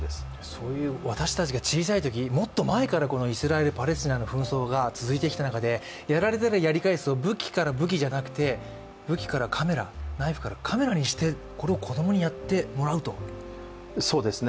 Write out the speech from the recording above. そういう私たちが小さいとき、もっと前からイスラエル・パレスチナの紛争が続いてきた中で、やられたらやり返す、武器から武器じゃなくて、武器からカメラナイフからカメラにしてこれを子供にやってもらうと。